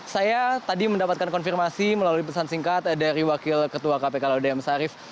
saya tadi mendapatkan konfirmasi melalui pesan singkat dari wakil ketua kpk laudaya masyarif